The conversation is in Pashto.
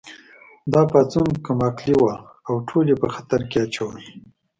دا پاڅون کم عقلې وه او ټول یې په خطر کې اچول